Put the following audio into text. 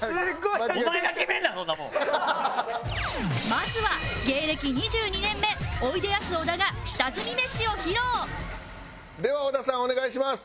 まずは芸歴２２年目おいでやす小田が下積みメシを披露では小田さんお願いします。